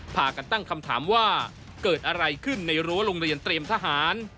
พากันตั้งคำถามว่าเกิดอะไรขึ้นในรั้วโรงเรียนเตรียมทหาร